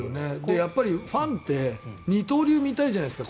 やっぱりファンって二刀流を見たいじゃないですか